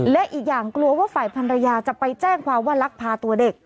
และอีกอย่างกลัวว่าฝ่ายพันรยาจะไปแจ้งความว่าลักพาตัวเด็ก